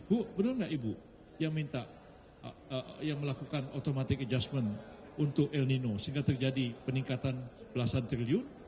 bu benar nggak ibu yang minta yang melakukan automatic adjustment untuk el nino sehingga terjadi peningkatan belasan triliun